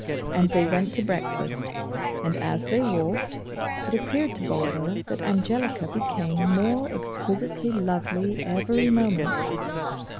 And they went to breakfast; and as they walked, it appeared to Bulbo that Angelica became more exquisitely lovely every moment.